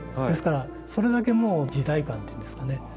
ですからそれだけもう時代感っていうんですかね